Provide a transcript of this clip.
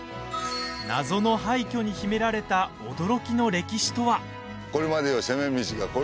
謎の廃虚に秘められた驚きの歴史とは？